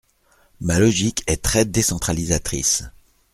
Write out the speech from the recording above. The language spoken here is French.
Ma logique est très décentralisatrice.